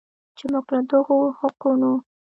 چې موږ له دغو حقونو